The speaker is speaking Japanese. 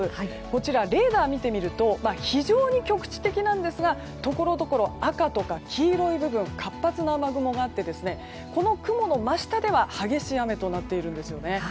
こちらレーダーを見てみると非常に局地的なんですがところどころ赤とか黄色い部分活発な雨雲があってこの雲の真下では激しい雨となっているんですね。